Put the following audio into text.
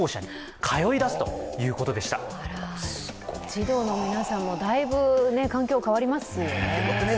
児童の皆さんもだいぶ環境、変わりますよね。